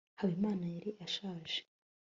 habimana yari ashaje